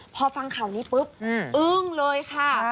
พอฟังข่าวนี้ปุ๊บอึ้งเลยค่ะ